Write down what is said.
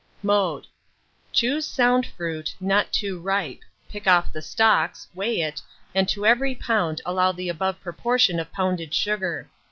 Mode. Choose sound fruit, not too ripe; pick off the stalks, weigh it, and to every lb. allow the above proportion of pounded sugar.